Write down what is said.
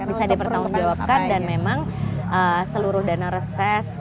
bisa dipertanggung jawabkan dan memang seluruh dana reses